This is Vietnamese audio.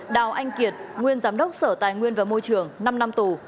đào anh kiệt nguyên giám đốc sở tài nguyên và môi trường năm năm tù